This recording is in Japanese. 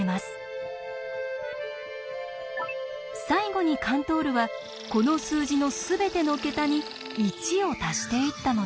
最後にカントールはこの数字のすべての桁に１を足していったのです。